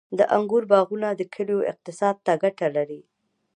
• د انګورو باغونه د کلیو اقتصاد ته ګټه لري.